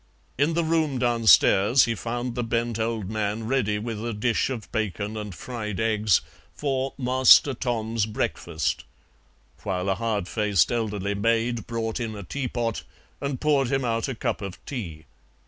In the room downstairs he found the bent old man ready with a dish of bacon and fried eggs for "Master Tom's" breakfast, while a hard faced elderly maid brought in a teapot and poured him out a cup of tea.